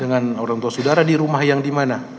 dengan orang tua saudara di rumah yang dimana